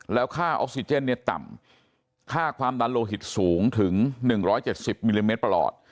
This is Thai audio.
แล้วค่าออกซิเจนเนี่ยต่ำค่าความดันโลหิตสูงถึง๑๗๐มิลลิเมตรประหลอด